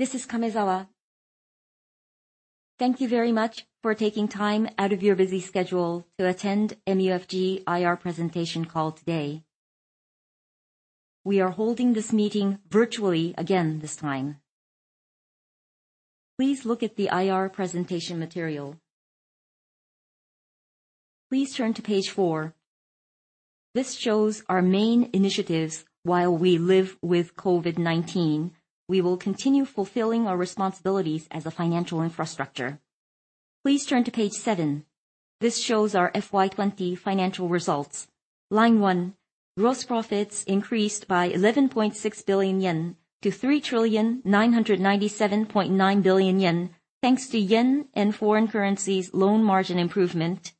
This is Kamezawa. Thank you very much for taking time out of your busy schedule to attend MUFG IR presentation call today. We are holding this meeting virtually again this time. Please look at the IR presentation material. Please turn to page four. This shows our main initiatives while we live with COVID-19. We will continue fulfilling our responsibilities as a financial infrastructure. Please turn to page seven. This shows our FY 2020 financial results. Line one, gross profits increased by 11.6 billion yen to 3,997.9 billion yen, thanks to yen and foreign currencies loan margin improvement,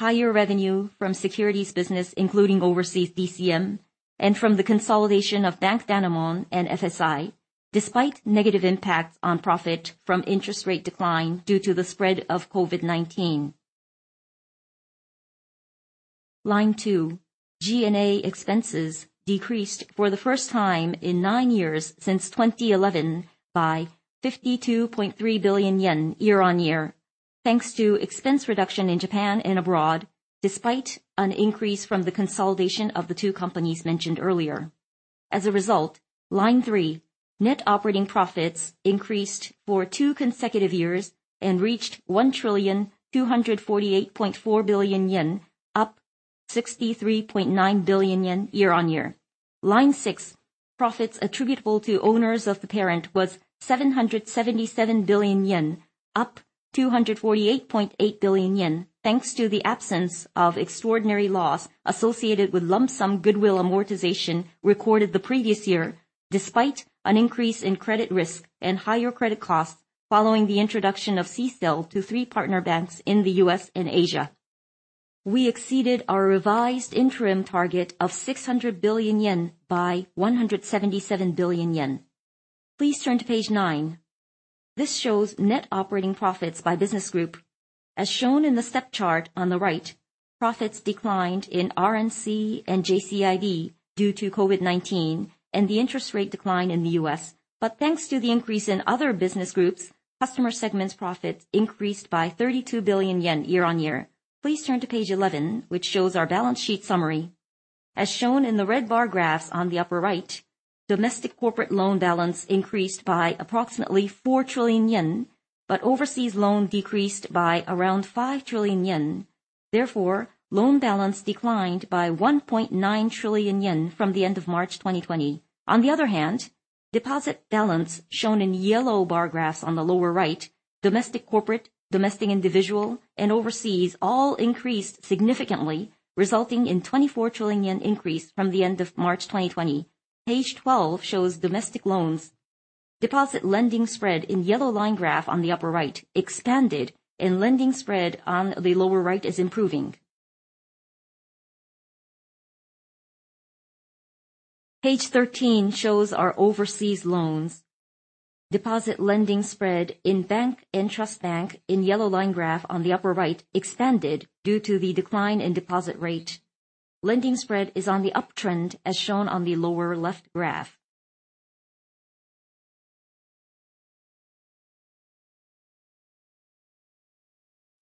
higher revenue from securities business, including overseas DCM, and from the consolidation of Bank Danamon and FSI, despite negative impacts on profit from interest rate decline due to the spread of COVID-19. Line two, G&A expenses decreased for the first time in nine years since 2011 by 52.3 billion yen year-on-year, thanks to expense reduction in Japan and abroad, despite an increase from the consolidation of the two companies mentioned earlier. As a result, line three, net operating profits increased for two consecutive years and reached 1,248.4 billion yen, up 63.9 billion yen year-on-year. Line six, profits attributable to owners of the parent was 777 billion yen, up 248.8 billion yen, thanks to the absence of extraordinary loss associated with lump sum goodwill amortization recorded the previous year, despite an increase in credit risk and higher credit costs following the introduction of CECL to three partner banks in the U.S. and Asia. We exceeded our revised interim target of 600 billion yen by 177 billion yen. Please turn to page nine. This shows net operating profits by business group. As shown in the step chart on the right, profits declined in R&C and JCIB due to COVID-19 and the interest rate decline in the U.S. Thanks to the increase in other business groups, customer segments profits increased by 32 billion yen year-over-year. Please turn to page 11, which shows our balance sheet summary. As shown in the red bar graphs on the upper right, domestic corporate loan balance increased by approximately 4 trillion yen, but overseas loans decreased by around 5 trillion yen. Therefore, loan balance declined by 1.9 trillion yen from the end of March 2020. On the other hand, deposit balance, shown in yellow bar graphs on the lower right, domestic corporate, domestic individual, and overseas all increased significantly, resulting in 24 trillion yen increase from the end of March 2020. Page 12 shows domestic loans. Deposit lending spread, in yellow line graph on the upper right, expanded, and lending spread on the lower right is improving. Page 13 shows our overseas loans. Deposit lending spread in bank and trust bank, in yellow line graph on the upper right, expanded due to the decline in deposit rate. Lending spread is on the uptrend as shown on the lower left graph.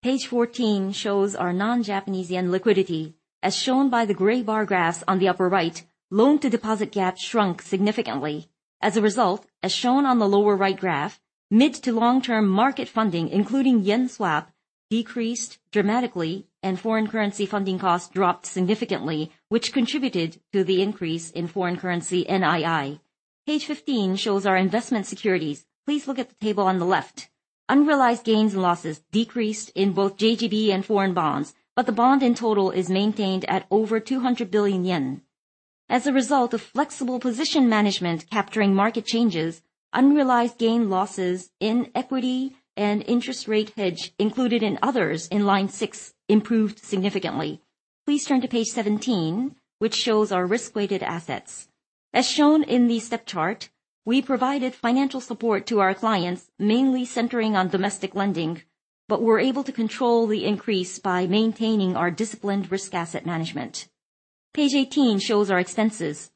Page 14 shows our non-Japanese yen liquidity. As shown by the gray bar graphs on the upper right, loan-to-deposit gap shrunk significantly. As a result, as shown on the lower right graph, mid- to long-term market funding, including yen swap, decreased dramatically, and foreign currency funding costs dropped significantly, which contributed to the increase in foreign currency NII. Page 15 shows our investment securities. Please look at the table on the left. Unrealized gains and losses decreased in both JGB and foreign bonds, but the bond in total is maintained at over 200 billion yen. As a result of flexible position management capturing market changes, unrealized gain losses in equity and interest rate hedge included in others in line six improved significantly. Please turn to page 17, which shows our risk-weighted assets. As shown in the step chart, we provided financial support to our clients, mainly centering on domestic lending, but were able to control the increase by maintaining our disciplined risk asset management. Page 18 shows our expenses.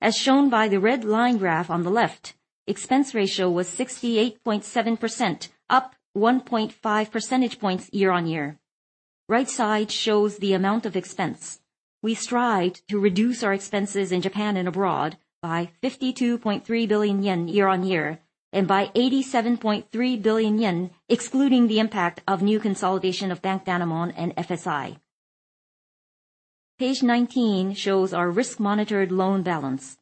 As shown by the red line graph on the left, expense ratio was 68.7%, up 1.5 percentage points year on year. Right side shows the amount of expense. We strived to reduce our expenses in Japan and abroad by 52.3 billion yen year on year and by 87.3 billion yen, excluding the impact of new consolidation of Bank Danamon and FSI. Page 19 shows our risk-monitored loan balance.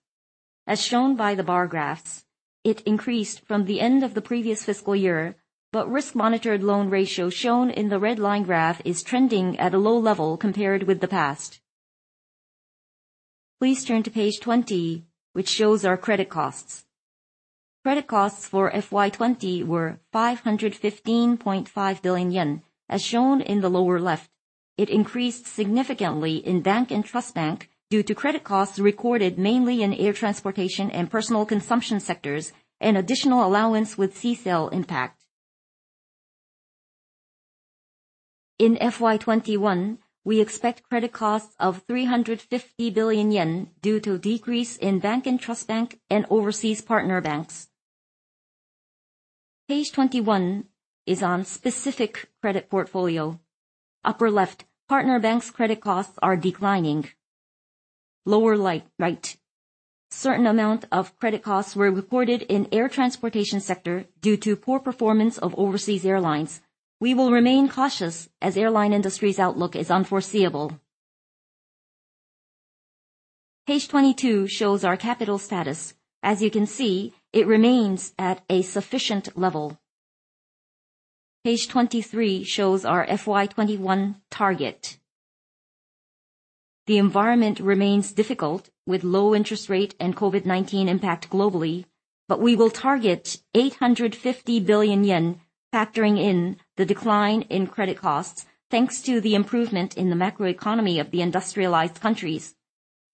As shown by the bar graphs, it increased from the end of the previous fiscal year, but risk-monitored loan ratio, shown in the red line graph, is trending at a low level compared with the past. Please turn to Page 20, which shows our credit costs. Credit costs for FY 2020 were 515.5 billion yen, as shown in the lower left. It increased significantly in bank and trust bank due to credit costs recorded mainly in air transportation and personal consumption sectors and additional allowance with CECL impact. In FY 2021, we expect credit costs of 350 billion yen due to a decrease in bank and trust bank and overseas partner banks. Page 21 is on specific credit portfolio. Upper left, partner banks' credit costs are declining. Lower right, a certain amount of credit costs were reported in air transportation sector due to poor performance of overseas airlines. We will remain cautious as airline industry's outlook is unforeseeable. Page 22 shows our capital status. As you can see, it remains at a sufficient level. Page 23 shows our FY 2021 target. The environment remains difficult with low interest rate and COVID-19 impact globally, but we will target 850 billion yen, factoring in the decline in credit costs, thanks to the improvement in the macroeconomy of the industrialized countries.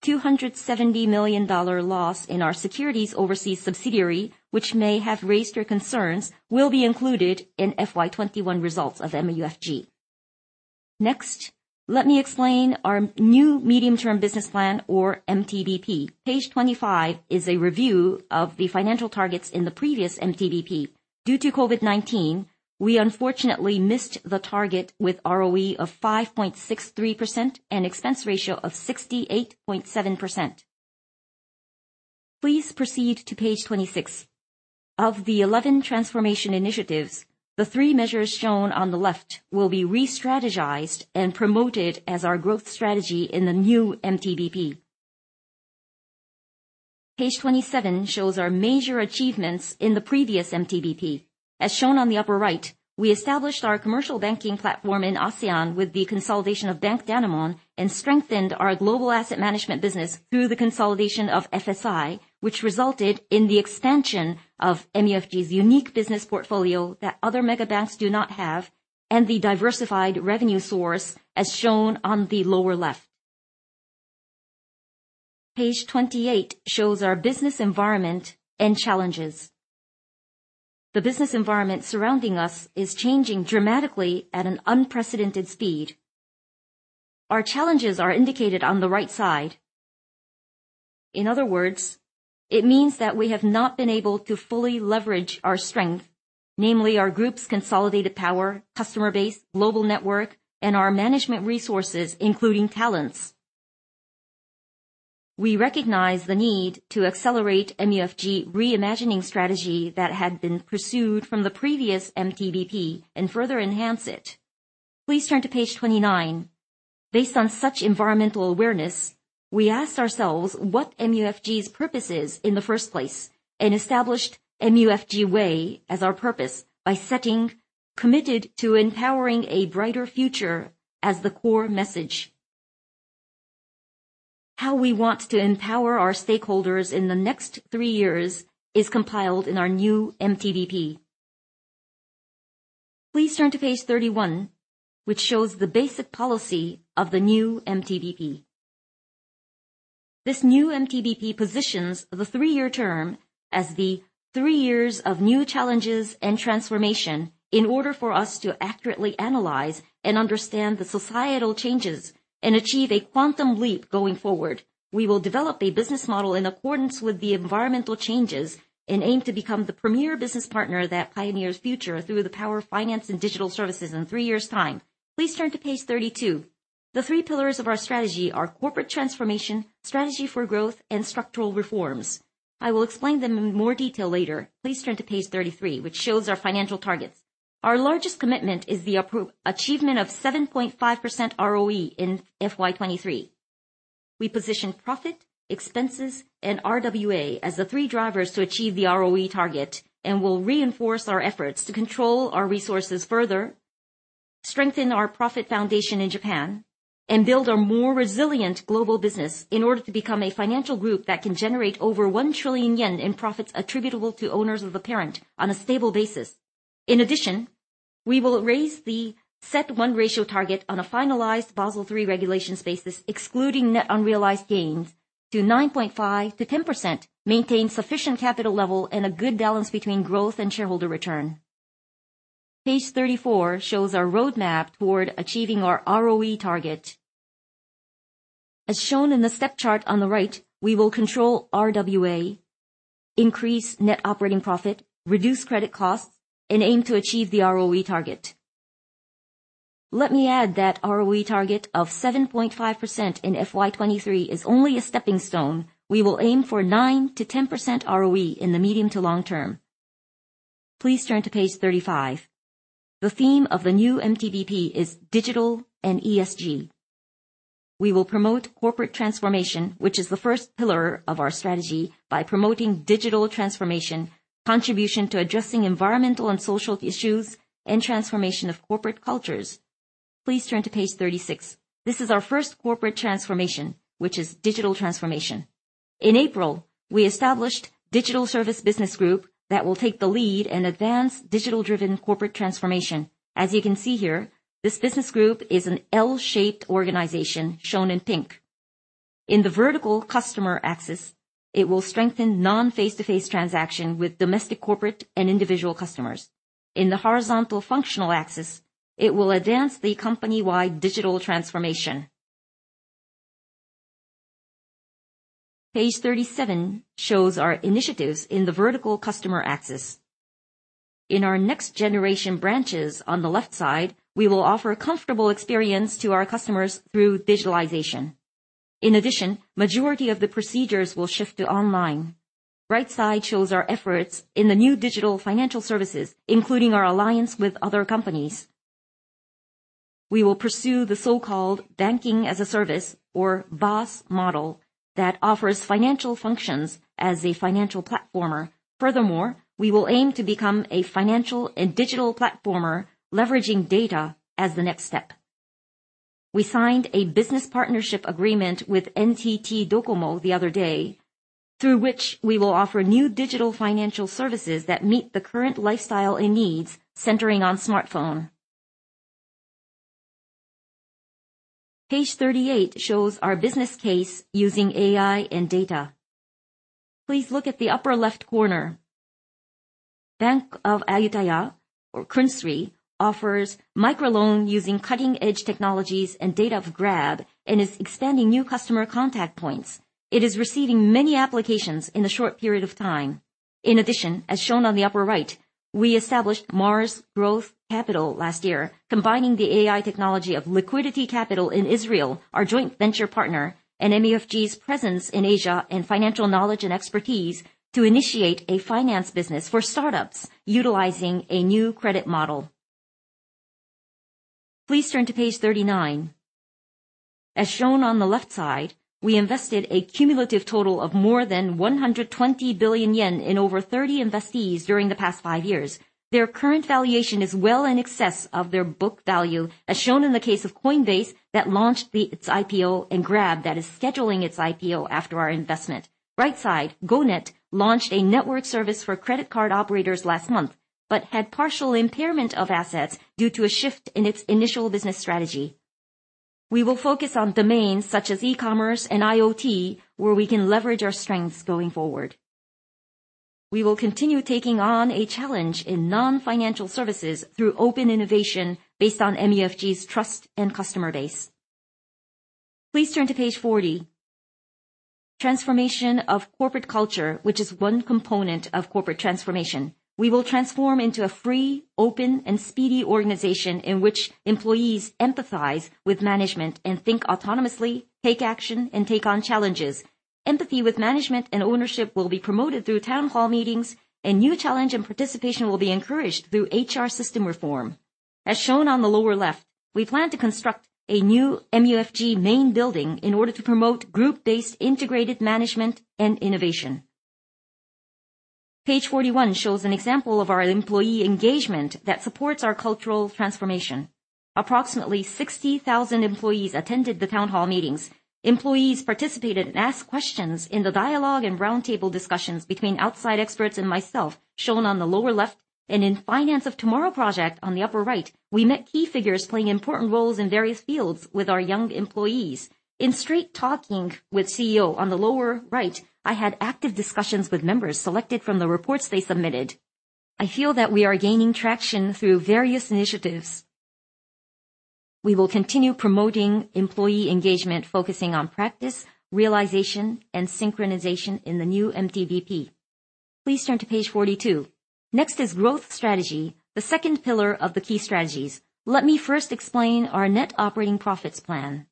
$270 million loss in our securities overseas subsidiary, which may have raised your concerns, will be included in FY 2021 results of MUFG. Next, let me explain our new medium-term business plan or MTBP. Page 25 is a review of the financial targets in the previous MTBP. Due to COVID-19, we unfortunately missed the target with ROE of 5.63% and expense ratio of 68.7%. Please proceed to page 26. Of the 11 transformation initiatives, the three measures shown on the left will be re-strategized and promoted as our growth strategy in the new MTBP. Page 27 shows our major achievements in the previous MTBP. As shown on the upper right, we established our commercial banking platform in ASEAN with the consolidation of Bank Danamon and strengthened our global asset management business through the consolidation of FSI, which resulted in the expansion of MUFG's unique business portfolio that other megabanks do not have and the diversified revenue source as shown on the lower left. Page 28 shows our business environment and challenges. The business environment surrounding us is changing dramatically at an unprecedented speed. Our challenges are indicated on the right side. In other words, it means that we have not been able to fully leverage our strength, namely our group's consolidated power, customer base, global network, and our management resources, including talents. We recognize the need to accelerate MUFG Re-Imagining Strategy that had been pursued from the previous MTBP and further enhance it. Please turn to page 29. Based on such environmental awareness, we asked ourselves what MUFG's purpose is in the first place and established MUFG Way as our purpose by setting "Committed to empowering a brighter future" as the core message. How we want to empower our stakeholders in the next three years is compiled in our new MTBP. Please turn to page 31, which shows the basic policy of the new MTBP. This new MTBP positions the three-year term as the three years of new challenges and transformation in order for us to accurately analyze and understand the societal changes and achieve a quantum leap going forward. We will develop a business model in accordance with the environmental changes and aim to become the premier business partner that pioneers future through the power of finance and digital services in three years' time. Please turn to page 32. The three pillars of our strategy are corporate transformation, strategy for growth, and structural reforms. I will explain them in more detail later. Please turn to page 33, which shows our financial targets. Our largest commitment is the achievement of 7.5% ROE in FY 2023. We position profit, expenses, and RWA as the three drivers to achieve the ROE target and will reinforce our efforts to control our resources further, strengthen our profit foundation in Japan, and build a more resilient global business in order to become a financial group that can generate over 1 trillion yen in profits attributable to owners of the parent on a stable basis. We will raise the CET1 ratio target on a finalized Basel III regulations basis, excluding net unrealized gains, to 9.5%-10%, maintain sufficient capital level, and a good balance between growth and shareholder return. Page 34 shows our roadmap toward achieving our ROE target. As shown in the step chart on the right, we will control RWA, increase net operating profit, reduce credit costs, and aim to achieve the ROE target. Let me add that ROE target of 7.5% in FY 2023 is only a stepping stone. We will aim for 9%-10% ROE in the medium to long term. Please turn to page 35. The theme of the new MTBP is digital and ESG. We will promote corporate transformation, which is the first pillar of our strategy, by promoting digital transformation, contribution to addressing environmental and social issues, and transformation of corporate cultures. Please turn to page 36. This is our first corporate transformation, which is digital transformation. In April, we established Digital Service Business Group that will take the lead and advance digital-driven corporate transformation. As you can see here, this business group is an L-shaped organization shown in pink. In the vertical customer axis, it will strengthen non-face-to-face transaction with domestic corporate and individual customers. In the horizontal functional axis, it will advance the company-wide digital transformation. Page 37 shows our initiatives in the vertical customer axis. In our next-generation branches on the left side, we will offer a comfortable experience to our customers through digitalization. In addition, the majority of the procedures will shift to online. The right side shows our efforts in the new digital financial services, including our alliance with other companies. We will pursue the so-called Banking-as-a-Service, or BaaS model, that offers financial functions as a financial platformer. We will aim to become a financial and digital platformer leveraging data as the next step. We signed a business partnership agreement with NTT Docomo the other day, through which we will offer new digital financial services that meet the current lifestyle and needs centering on smartphone. Page 38 shows our business case using AI and data. Please look at the upper-left corner. Bank of Ayudhya, or Krungsri, offers microloan using cutting-edge technologies and data of Grab and is expanding new customer contact points. It is receiving many applications in a short period of time. In addition, as shown on the upper right, we established Mars Growth Capital last year, combining the AI technology of Liquidity Capital in Israel, our joint venture partner, and MUFG's presence in Asia and financial knowledge and expertise to initiate a finance business for startups utilizing a new credit model. Please turn to page 39. As shown on the left side, we invested a cumulative total of more than 120 billion yen in over 30 investees during the past five years. Their current valuation is well in excess of their book value, as shown in the case of Coinbase, that launched its IPO, and Grab, that is scheduling its IPO after our investment. Right side, GoNet, launched a network service for credit card operators last month but had partial impairment of assets due to a shift in its initial business strategy. We will focus on domains such as e-commerce and IoT, where we can leverage our strengths going forward. We will continue taking on a challenge in non-financial services through open innovation based on MUFG's trust and customer base. Please turn to page 40. Transformation of corporate culture, which is one component of corporate transformation. We will transform into a free, open, and speedy organization in which employees empathize with management and think autonomously, take action, and take on challenges. Empathy with management and ownership will be promoted through town hall meetings, and new challenge and participation will be encouraged through HR system reform. As shown on the lower left, we plan to construct a new MUFG main building in order to promote group-based integrated management and innovation. Page 41 shows an example of our employee engagement that supports our cultural transformation. Approximately 60,000 employees attended the town hall meetings. Employees participated and asked questions in the dialogue and roundtable discussions between outside experts and myself, shown on the lower left, and in Finance of Tomorrow project on the upper right. We met key figures playing important roles in various fields with our young employees. In Straight Talking with CEO on the lower right, I had active discussions with members selected from the reports they submitted. I feel that we are gaining traction through various initiatives. We will continue promoting employee engagement, focusing on practice, realization, and synchronization in the new MTBP. Please turn to page 42. Next is growth strategy, the second pillar of the key strategies. Let me first explain our net operating profits plan.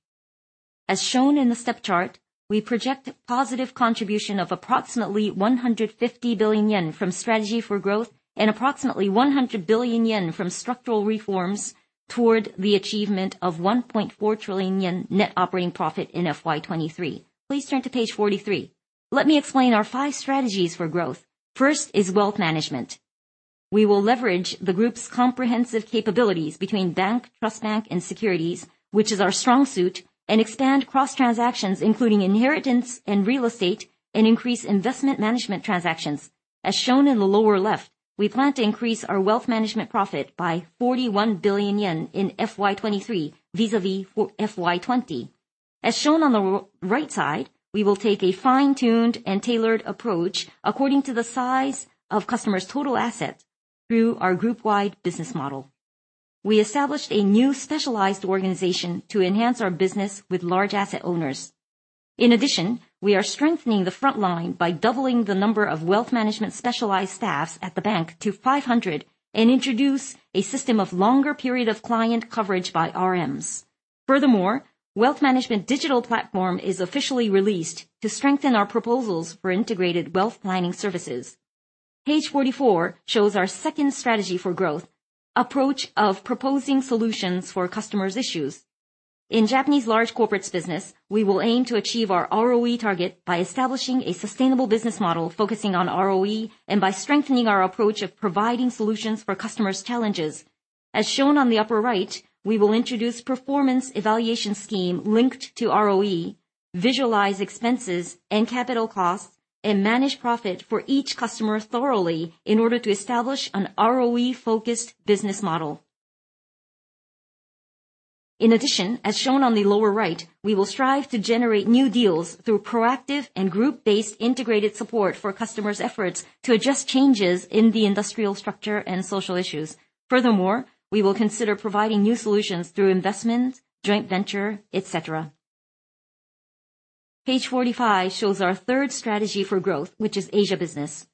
As shown in the step chart, we project a positive contribution of approximately 150 billion yen from strategy for growth and approximately 100 billion yen from structural reforms toward the achievement of 1.4 trillion yen net operating profit in FY 2023. Please turn to page 43. Let me explain our five strategies for growth. First is wealth management. We will leverage the group's comprehensive capabilities between bank, trust bank, and securities, which is our strong suit, and expand cross-transactions, including inheritance and real estate, and increase investment management transactions. As shown in the lower left, we plan to increase our wealth management profit by 41 billion yen in FY 2023, vis-à-vis for FY 2020. As shown on the right side, we will take a fine-tuned and tailored approach according to the size of customers' total asset through our group-wide business model. We established a new specialized organization to enhance our business with large asset owners. In addition, we are strengthening the frontline by doubling the number of wealth management specialized staff at the bank to 500 and introduce a system of longer period of client coverage by RMs. Furthermore, wealth management digital platform is officially released to strengthen our proposals for integrated wealth planning services. Page 44 shows our second strategy for growth, approach of proposing solutions for customers' issues. In Japanese large corporates business, we will aim to achieve our ROE target by establishing a sustainable business model focusing on ROE and by strengthening our approach of providing solutions for customers' challenges. As shown on the upper right, we will introduce performance evaluation scheme linked to ROE, visualize expenses and capital costs, and manage profit for each customer thoroughly in order to establish an ROE-focused business model. In addition, as shown on the lower right, we will strive to generate new deals through proactive and group-based integrated support for customers' efforts to adjust changes in the industrial structure and social issues. Furthermore, we will consider providing new solutions through investments, joint venture, et cetera. Page 45 shows our third strategy for growth, which is Asia business.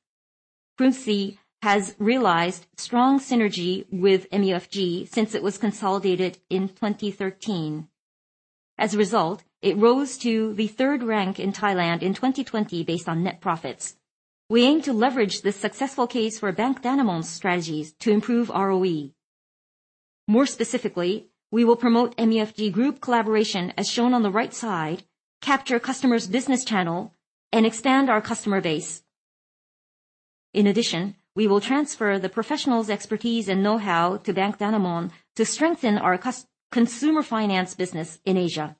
Krungsri has realized strong synergy with MUFG since it was consolidated in 2013. As a result, it rose to the third rank in Thailand in 2020 based on net profits. We aim to leverage this successful case for Bank Danamon's strategies to improve ROE. More specifically, we will promote MUFG Group collaboration, as shown on the right side, capture customers' business channel, and expand our customer base. In addition, we will transfer the professionals' expertise and know-how to Bank Danamon to strengthen our consumer finance business in Asia.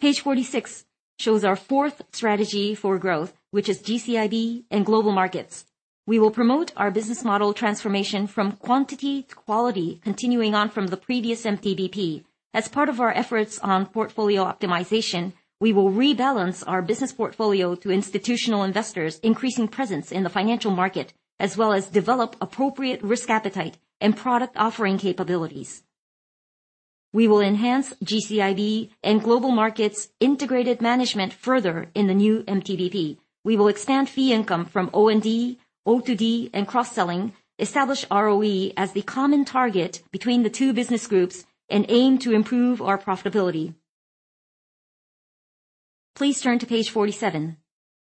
Page 46 shows our fourth strategy for growth, which is GCIB and Global Markets. We will promote our business model transformation from quantity to quality, continuing on from the previous MTBP. As part of our efforts on portfolio optimization, we will rebalance our business portfolio to institutional investors, increasing presence in the financial market, as well as develop appropriate risk appetite and product offering capabilities. We will enhance GCIB and Global Markets' integrated management further in the new MTBP. We will expand fee income from O&D, O2D, and cross-selling, establish ROE as the common target between the two business groups, and aim to improve our profitability. Please turn to page 47.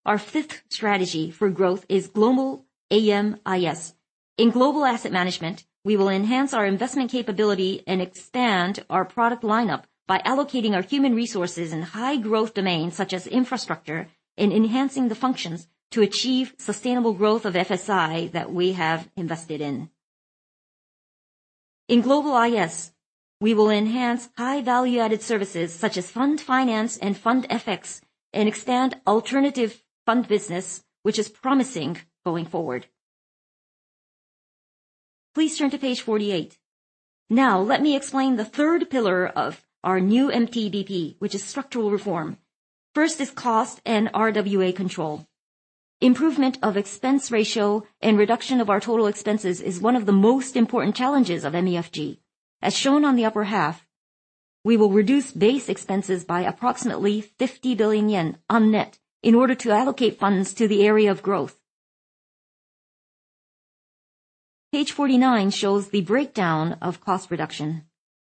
Our fifth strategy for growth is Global AM/IS. In Global Asset Management, we will enhance our investment capability and expand our product lineup by allocating our human resources in high-growth domains such as infrastructure and enhancing the functions to achieve sustainable growth of FSI that we have invested in. In Global IS, we will enhance high value-added services such as fund finance and fund FX, and expand alternative fund business, which is promising going forward. Please turn to page 48. Let me explain the third pillar of our new MTBP, which is structural reform. First is cost and RWA control. Improvement of expense ratio and reduction of our total expenses is one of the most important challenges of MUFG. As shown on the upper half, we will reduce base expenses by approximately 50 billion yen on net in order to allocate funds to the area of growth. Page 49 shows the breakdown of cost reduction.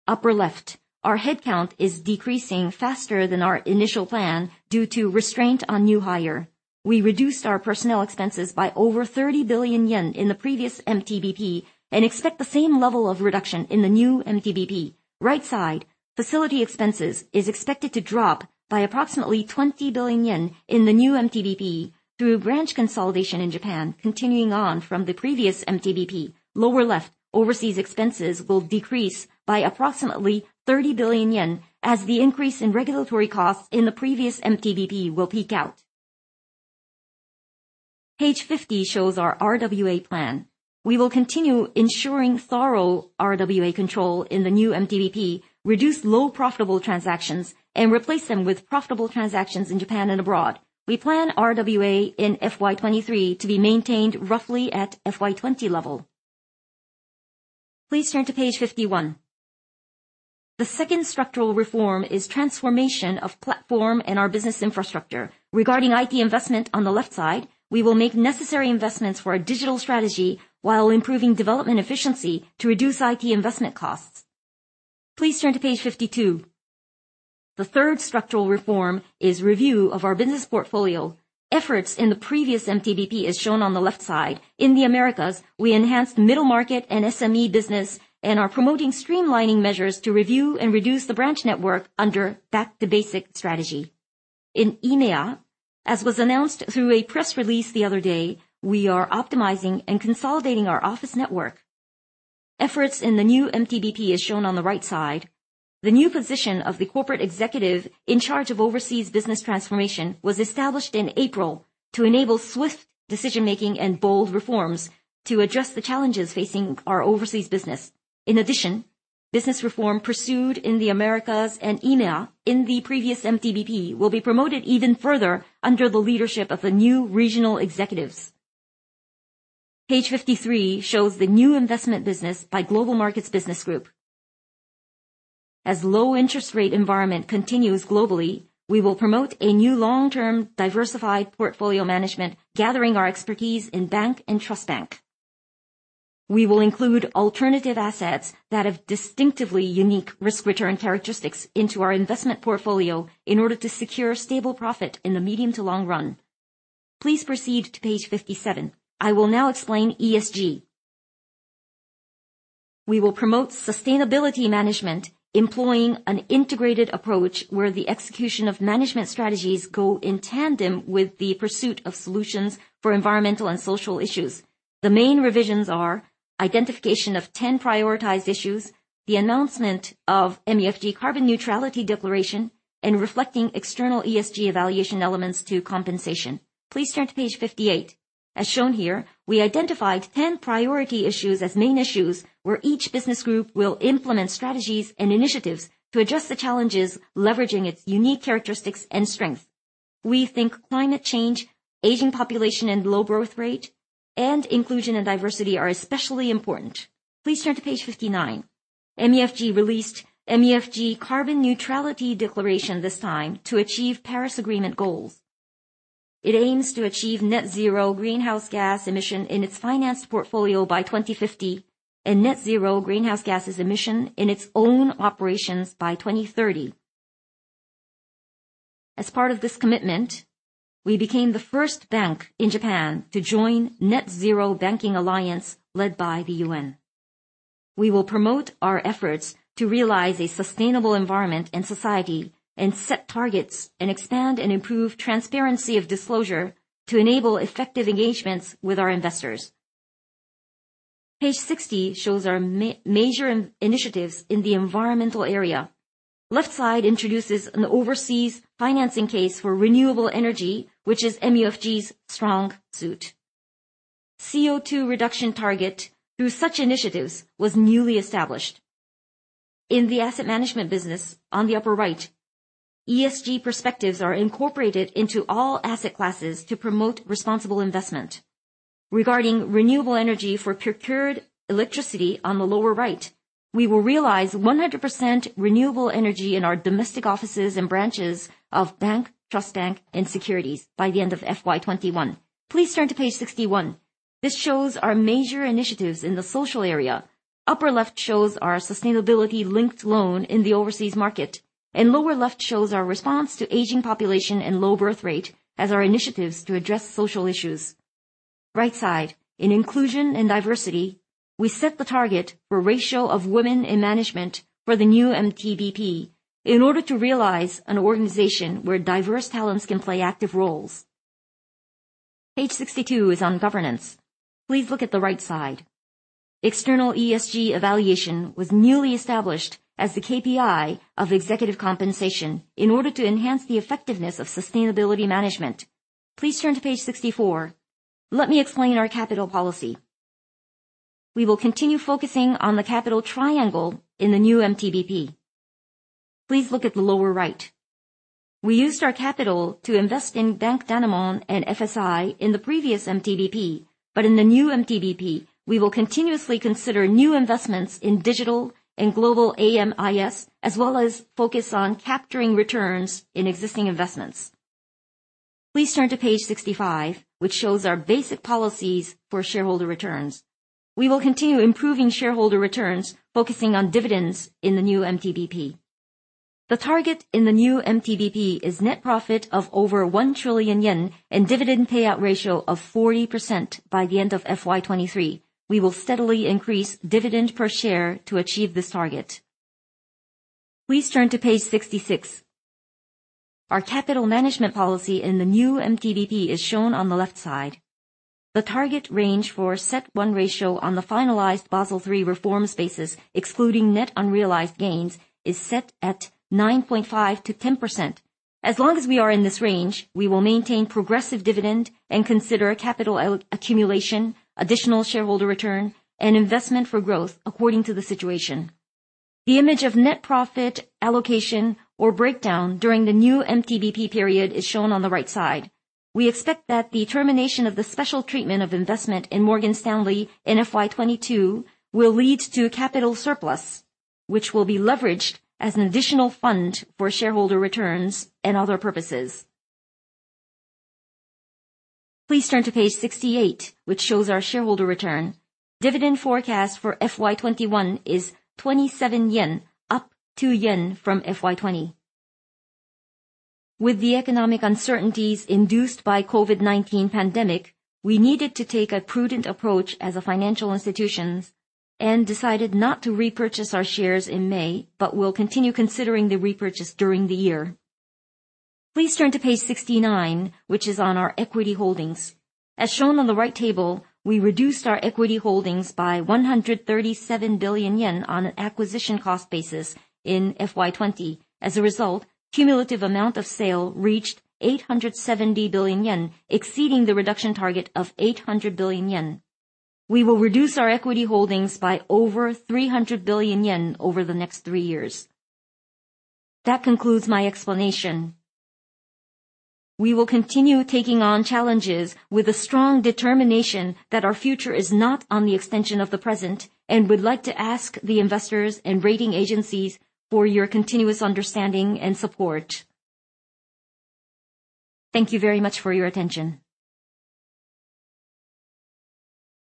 Upper left, our headcount is decreasing faster than our initial plan due to restraint on new hire. We reduced our personnel expenses by over 30 billion yen in the previous MTBP and expect the same level of reduction in the new MTBP. Right side, facility expenses is expected to drop by approximately 20 billion yen in the new MTBP through branch consolidation in Japan, continuing on from the previous MTBP. Lower left, overseas expenses will decrease by approximately 30 billion yen as the increase in regulatory costs in the previous MTBP will peak out. Page 50 shows our RWA plan. We will continue ensuring thorough RWA control in the new MTBP, reduce low-profitable transactions, and replace them with profitable transactions in Japan and abroad. We plan RWA in FY 2023 to be maintained roughly at FY 2020 level. Please turn to page 51. The second structural reform is transformation of platform and our business infrastructure. Regarding IT investment on the left side, we will make necessary investments for our digital strategy while improving development efficiency to reduce IT investment costs. Please turn to page 52. The third structural reform is review of our business portfolio. Efforts in the previous MTBP is shown on the left side. In the Americas, we enhanced middle market and SME business and are promoting streamlining measures to review and reduce the branch network under Back to Basic strategy. In EMEA, as was announced through a press release the other day, we are optimizing and consolidating our office network. Efforts in the new MTBP is shown on the right side. The new position of the corporate executive in charge of overseas business transformation was established in April to enable swift decision-making and bold reforms to address the challenges facing our overseas business. Business reform pursued in the Americas and EMEA in the previous MTBP will be promoted even further under the leadership of the new regional executives. Page 53 shows the new investment business by Global Markets Business Group. As low interest rate environment continues globally, we will promote a new long-term diversified portfolio management, gathering our expertise in bank and trust bank. We will include alternative assets that have distinctively unique risk-return characteristics into our investment portfolio in order to secure stable profit in the medium to long run. Please proceed to page 57. I will now explain ESG. We will promote sustainability management employing an integrated approach where the execution of management strategies go in tandem with the pursuit of solutions for environmental and social issues. The main revisions are identification of 10 prioritized issues, the announcement of MUFG Carbon Neutrality Declaration, and reflecting external ESG evaluation elements to compensation. Please turn to page 58. As shown here, we identified 10 priority issues as main issues where each business group will implement strategies and initiatives to address the challenges, leveraging its unique characteristics and strengths. We think climate change, aging population and low growth rate, and inclusion and diversity are especially important. Please turn to page 59. MUFG released MUFG Carbon Neutrality Declaration this time to achieve Paris Agreement goals. It aims to achieve net zero greenhouse gas emission in its financed portfolio by 2050 and net zero greenhouse gases emission in its own operations by 2030. As part of this commitment, we became the first bank in Japan to join Net-Zero Banking Alliance led by the UN. We will promote our efforts to realize a sustainable environment and society, and set targets and expand and improve transparency of disclosure to enable effective engagements with our investors. Page 60 shows our major initiatives in the environmental area. Left side introduces an overseas financing case for renewable energy, which is MUFG's strong suit. CO2 reduction target through such initiatives was newly established. In the asset management business on the upper right, ESG perspectives are incorporated into all asset classes to promote responsible investment. Regarding renewable energy for procured electricity on the lower right, we will realize 100% renewable energy in our domestic offices and branches of bank, trust bank, and securities by the end of FY 2021. Please turn to page 61. This shows our major initiatives in the social area. Upper left shows our sustainability-linked loan in the overseas market, and lower left shows our response to aging population and low birth rate as our initiatives to address social issues. Right side, in inclusion and diversity, we set the target for ratio of women in management for the new MTBP in order to realize an organization where diverse talents can play active roles. Page 62 is on governance. Please look at the right side. External ESG evaluation was newly established as the KPI of executive compensation in order to enhance the effectiveness of sustainability management. Please turn to page 64. Let me explain our capital policy. We will continue focusing on the capital triangle in the new MTBP. Please look at the lower right. We used our capital to invest in Bank Danamon and FSI in the previous MTBP. In the new MTBP, we will continuously consider new investments in digital and Global AM/IS, as well as focus on capturing returns in existing investments. Please turn to page 65, which shows our basic policies for shareholder returns. We will continue improving shareholder returns, focusing on dividends in the new MTBP. The target in the new MTBP is net profit of over 1 trillion yen and dividend payout ratio of 40% by the end of FY 2023. We will steadily increase dividend per share to achieve this target. Please turn to page 66. Our capital management policy in the new MTBP is shown on the left side. The target range for CET1 ratio on the finalized Basel III reforms basis, excluding net unrealized gains, is set at 9.5%-10%. As long as we are in this range, we will maintain progressive dividend and consider capital accumulation, additional shareholder return, and investment for growth according to the situation. The image of net profit allocation or breakdown during the new MTBP period is shown on the right side. We expect that the termination of the special treatment of investment in Morgan Stanley in FY 2022 will lead to a capital surplus, which will be leveraged as an additional fund for shareholder returns and other purposes. Please turn to page 68, which shows our shareholder return. Dividend forecast for FY 2021 is 27 yen, up 2 yen from FY 2020. With the economic uncertainties induced by COVID-19 pandemic, we needed to take a prudent approach as a financial institution and decided not to repurchase our shares in May, but we'll continue considering the repurchase during the year. Please turn to page 69, which is on our equity holdings. As shown on the right table, we reduced our equity holdings by 137 billion yen on an acquisition cost basis in FY 2020. As a result, cumulative amount of sale reached 870 billion yen, exceeding the reduction target of 800 billion yen. We will reduce our equity holdings by over 300 billion yen over the next three years. That concludes my explanation. We will continue taking on challenges with a strong determination that our future is not on the extension of the present and would like to ask the investors and rating agencies for your continuous understanding and support. Thank you very much for your attention.